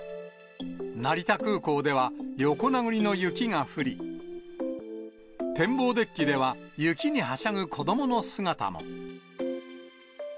成田空港では、横殴りの雪が降り、展望デッキでは雪にはしゃぐ子どもの姿も。